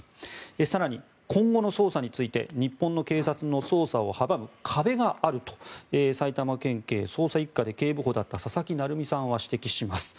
更に、今後の捜査について日本の警察の捜査を阻む壁があると埼玉県警捜査１課で警部補だった佐々木成三さんは指摘します。